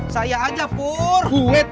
saya aja pur